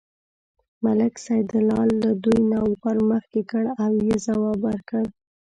ملک سیدلال له دوی نه وار مخکې کړ او یې ځواب ورکړ.